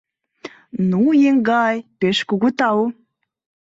— Ну, еҥгай, пеш кугу тау!